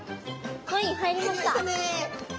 はい入りました。